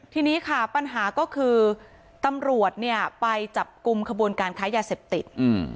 ทีนี้ค่ะปัญหาก็คือตำรวจเนี่ยไปจับกลุ่มขบวนการค้ายาเสพติด